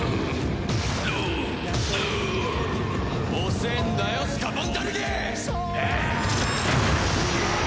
遅えんだよスカポンタヌキ！